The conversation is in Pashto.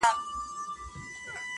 خړسایل مي د لفظونو شاهنشا دی،